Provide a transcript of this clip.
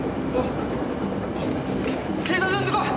け警察呼んでこい！